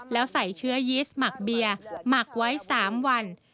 แล้วใส่เชื้อยีสหมักเบียร์หมักไว้๓วัน